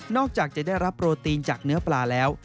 อกจากจะได้รับโปรตีนจากเนื้อปลาแล้ว